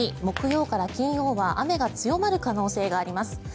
木曜から金曜は雨が強まる可能性があります。